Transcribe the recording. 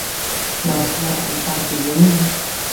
لاسونه انسان پېژني